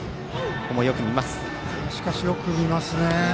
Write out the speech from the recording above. しかし、よく見ますね。